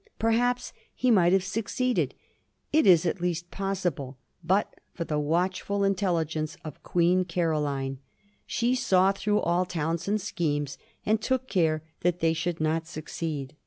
Perhaps he might have succeeded — it is at least possible — ^but for the watchfiil intelligence of Queen Caroline. She saw through all Townshend's schemes, and took care that they should not succeed.